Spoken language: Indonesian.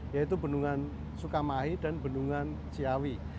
yaitu bendungan sukamahi dan bendungan ciawi